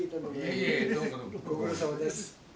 いえいえご苦労さまです。